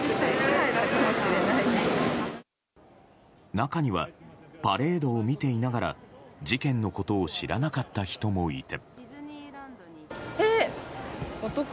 中にはパレードを見ていながら事件のことを知らなかった人もいて。